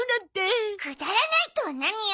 くだらないとは何よ！